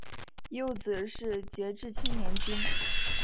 幼子是杰志青年军。